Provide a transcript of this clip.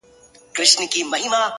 هلته د ژوند تر آخري سرحده؛